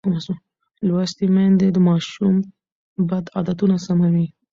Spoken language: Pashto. لوستې میندې د ماشوم بد عادتونه سموي.